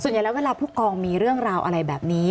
ใหญ่แล้วเวลาผู้กองมีเรื่องราวอะไรแบบนี้